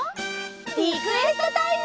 リクエストタイム！